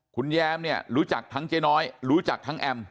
คุณแยมเนี่ยรู้จักทั้งเจ๊น้อยรู้จักทั้งแอม